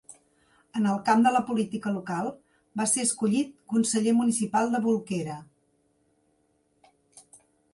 En el camp de la política local, va ser escollit conseller municipal de Bolquera.